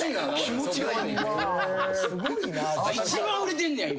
一番売れてんねや今。